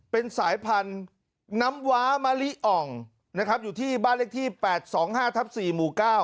เป็นสายพันธุ์น้ำว้ามะลิอ่องนะครับอยู่ที่บ้านเลขที่๘๒๕ทับ๔หมู่๙